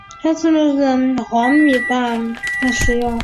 该料理通常搭配伊朗当地的白米饭或黄米饭食用。